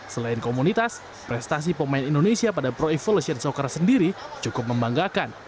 selain komunitas prestasi pemain indonesia pada pro evolution soccer sendiri cukup membanggakan